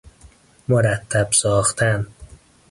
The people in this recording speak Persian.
مرتب ساختن